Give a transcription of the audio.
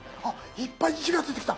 いっぱい字が出てきた。